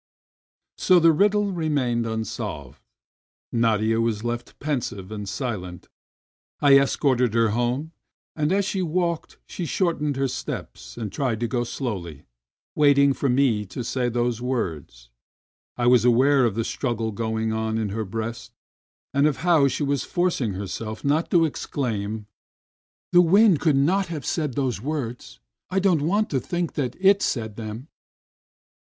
So the riddle remained unsolved ! Nadia was left pensive and silent. I escorted her home, and as she walked she shortened her steps and tried to go slowly, waiting for me to say those words. I was aware of the struggle going on in her breast, and of how she was forcing herself not to exclaim: A JOKE 83 "The wind could not have said those words ! I don't want to think that it said them